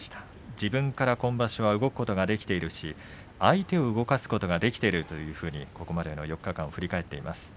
自分から、今場所は動くことができているし相手を動かすことができているというふうに４日間を振り返っています。